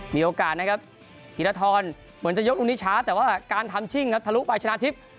มีโอกาสนะครับธีรทรเหมือนจะยกลูกนี้ช้าแต่ว่าการทำชิ่งครับทะลุไปชนะทิพย์